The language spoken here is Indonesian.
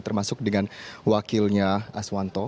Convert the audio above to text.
termasuk dengan wakilnya aswanto